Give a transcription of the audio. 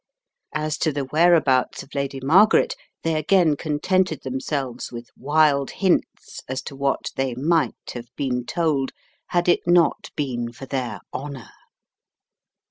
As to the whereabouts of Lady Mar garet, they again contented themselves with wild hints as to what they might have told, had it not been for their "honour."